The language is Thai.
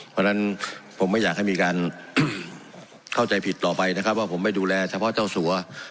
เพราะฉะนั้นผมไม่อยากให้มีการเข้าใจผิดต่อไปนะครับว่าผมไม่ดูแลเฉพาะเจ้าสัว